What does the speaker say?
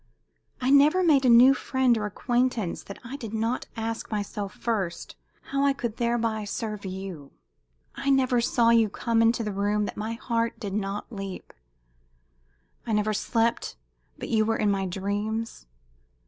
I never made a new friend or acquaintance that I did not ask myself first how I could thereby serve you. I never saw you come into the room that my heart did not leap. I never slept but you were in my dreams.